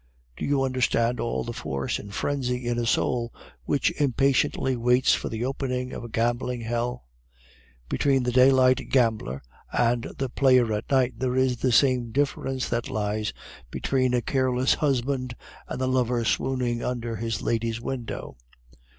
Do you understand all the force and frenzy in a soul which impatiently waits for the opening of a gambling hell? Between the daylight gambler and the player at night there is the same difference that lies between a careless husband and the lover swooning under his lady's window.